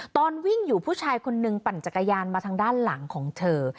ตอนวิ่งอยู่ผู้ชายคนนึงปั่นจักรยานมาทางด้านหลังของเธอ